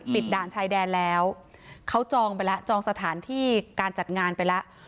ด่านชายแดนแล้วเขาจองไปแล้วจองสถานที่การจัดงานไปแล้ว